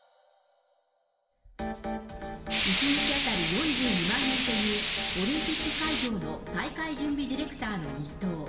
１日当たり４２万円という、オリンピック会場の大会準備ディレクターの日当。